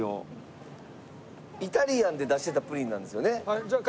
イタリアンで出してたプリンなんですよね。